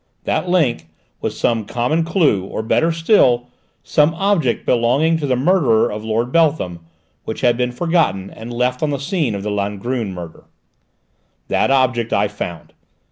That link was some common clue, or, better still, some object belonging to the murderer of Lord Beltham, which had been forgotten and left on the scene of the Langrune murder. "That object I found.